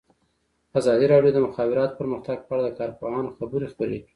ازادي راډیو د د مخابراتو پرمختګ په اړه د کارپوهانو خبرې خپرې کړي.